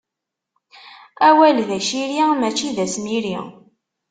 Awal d aciri mačči d asmiri.